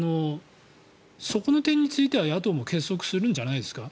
そこの点については野党も結束するんじゃないですか。